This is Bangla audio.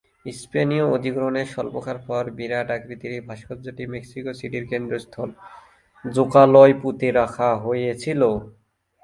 স্পেনীয় অধিগ্রহণের স্বল্পকাল পর বিরাট আকৃতির এ ভাস্কর্যটি মেক্সিকো সিটির কেন্দ্রস্থল জোকালোয় পুঁতে রাখা হয়েছিল।